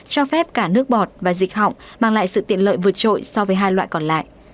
cho phép cả nước bọt và dịch họng mang lại sự tiện lợi vượt trội so với hai loại còn lại